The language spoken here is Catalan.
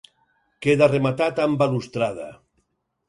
Queda rematat amb balustrada.